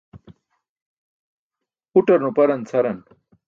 Uṭar nuparan cʰaran.